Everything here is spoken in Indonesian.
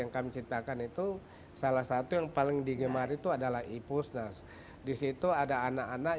yang kami ciptakan itu salah satu yang paling digemari itu adalah ipusnas disitu ada anak anak